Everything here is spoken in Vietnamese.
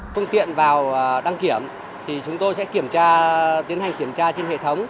phương tiện vào đăng kiểm thì chúng tôi sẽ kiểm tra tiến hành kiểm tra trên hệ thống